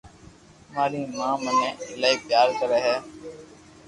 ماري ماِہ مني ايلائي پيار ڪري ھي